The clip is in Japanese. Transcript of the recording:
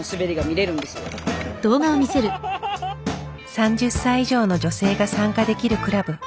３０歳以上の女性が参加できるクラブ。